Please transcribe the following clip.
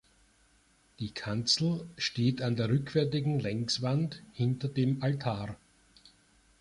Die Kanzel steht an der rückwärtigen Längswand hinter dem Altar.